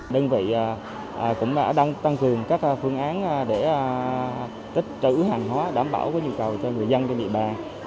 đơn vị cũng đang tăng cường các phương án để tích trữ hàng hóa đảm bảo nhu cầu cho người dân trên địa bàn